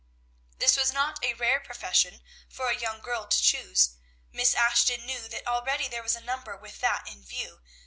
This was not a rare profession for a young girl to choose. Miss Ashton knew that already there were a number with that in view.